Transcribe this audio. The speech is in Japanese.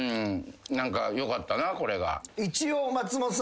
何かよかったなこれが。